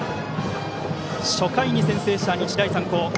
初回に先制した日大三高。